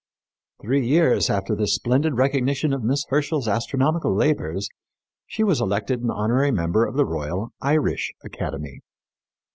" Three years after this splendid recognition of Miss Herschel's astronomical labors she was elected an honorary member of the Royal Irish Academy.